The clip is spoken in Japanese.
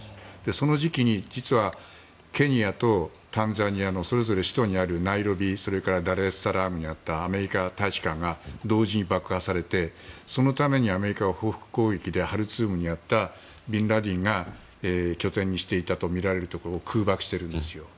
その時期に実は、ケニアとタンザニアのそれぞれ首都にあるナイロビそしてダルエスサラームにあった大使館が同時に爆破されてアメリカは、その報復攻撃でハルツームにあったビンラディンが拠点にしていたとみられるところを空爆しているんですよ。